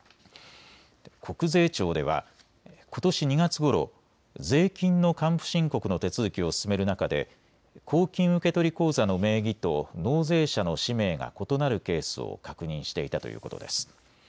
国税庁ではことし２月ごろ、税金の還付申告の手続きを進める中で公金受取口座の名義と納税者の氏名が異なるケースを確認していたということです。